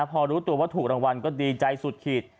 พอรู้ตัวว่าถูกรางวัลก็ดีใจสุดขีด